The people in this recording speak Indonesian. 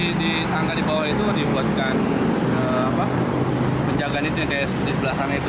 harusnya sih di tangga di bawah itu dibuatkan penjagaan itu yang kayak di sebelah sana itu